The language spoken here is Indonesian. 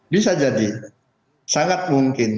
bisa jadi sangat mungkin